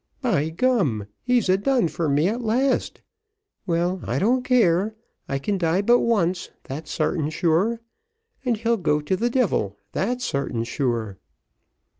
"By gum, he's a done for me at last. Well, I don't care, I can die but once, that's sartin sure; and he'll go to the devil, that's sartin sure."